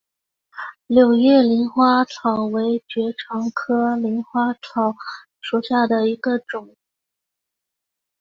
柳叶鳞花草为爵床科鳞花草属下的一个种。